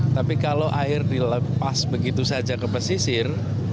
tapi kalau air dilepas begitu saja ke pesisir